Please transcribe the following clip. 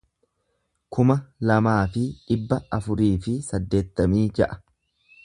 kuma lamaa fi dhibba afurii fi saddeettamii ja'a